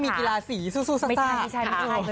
มีกีฬาสีซู่ซู่ซ่าซ่า